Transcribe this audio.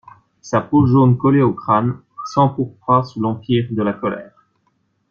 Sa peau jaune collée au crâne s'empourpra sous l'empire de la colère.